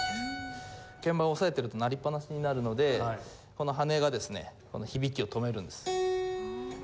鍵盤を押さえていると鳴りっぱなしになるのでこの羽根がですね響きを止めるんです。